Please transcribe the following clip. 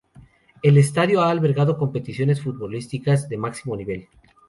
El estadio ha albergado competiciones futbolísticas de máximo nivel.